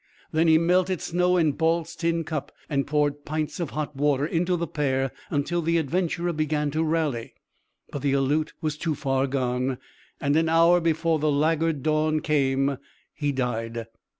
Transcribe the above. Then he melted snow in Balt's tin cup and poured pints of hot water into the pair until the adventurer began to rally; but the Aleut was too far gone, and an hour before the laggard dawn came he died.